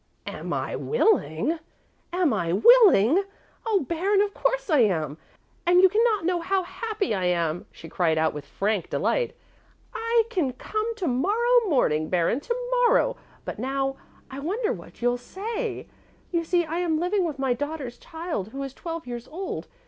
"Am I willing? am I willing? Oh, Baron, of course I am, and you cannot know how happy I am," she cried out with frank delight. "I can come to morrow morning, Baron, to morrow, but now I wonder what you'll say. You see, I am living with my daughter's child, who is twelve years old.